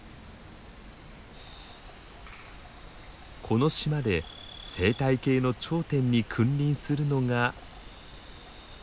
この島で生態系の頂点に君臨するのが。